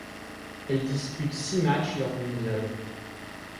Elle dispute six matchs lors du mondial.